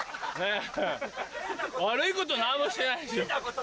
え悪いこと何もしてないしよ